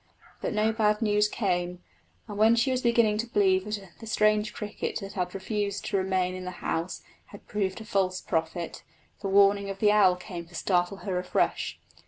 But no bad news came, and when she was beginning to believe that the strange cricket that had refused to remain in the house had proved a false prophet, the warning of the owl came to startle her afresh.